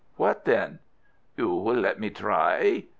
"What then?" "You will let me try?"